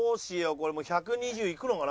これもう１２０いくのかな？